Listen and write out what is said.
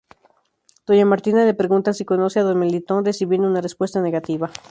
Doña Martina le pregunta si conoce a don Melitón, recibiendo una respuesta negativa.